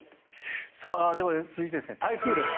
では、続いて台風です。